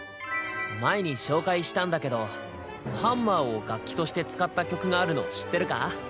前に紹介したんだけどハンマーを楽器として使った曲があるの知ってるか？